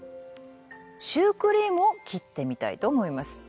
シュークリームを切ってみたいと思います。